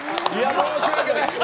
申し訳ない。